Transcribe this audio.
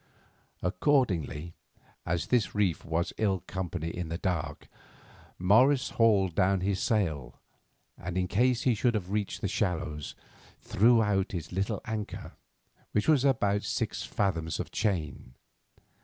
Accordingly, as this reef was ill company in the dark, Morris hauled down his sail, and in case he should have reached the shallows, threw out his little anchor, which was attached to six fathoms of chain.